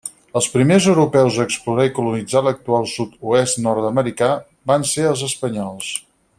Els primers europeus a explorar i colonitzar l'actual sud-oest nord-americà van ser els espanyols.